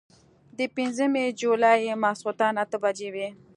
د پنځمې جولايې ماسخوتن اتۀ بجې وې